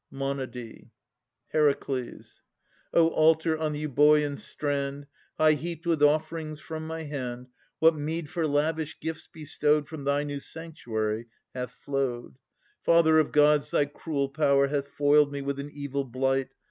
MONODY. HER. O altar on the Euboean strand, High heaped with offerings from my hand, What meed for lavish gifts bestowed From thy new sanctuary hath flowed! Father of Gods! thy cruel power Hath foiled me with an evil blight.